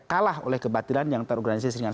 kalah oleh kebatilan yang terorganisasi dengan